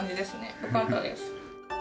よかったです。